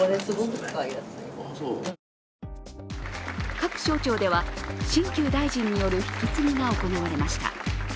各省庁では新旧大臣による引き継ぎが行われました。